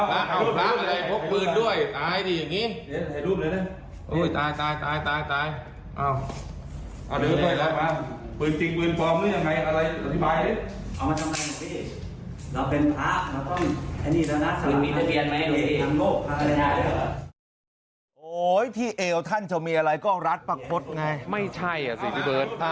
โอ้โหที่เอวท่านจะมีอะไรก็รัดประคดไงไม่ใช่อ่ะสิพี่เบิร์ต